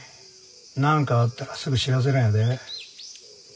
なんかあったらすぐ知らせるんやで。